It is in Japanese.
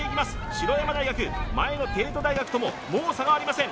白山大学前の帝都大学とももう差がありません